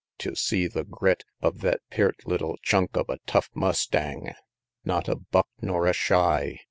Tew see the grit Of thet peart little chunk of a tough mustang! Not a buck nor a shy!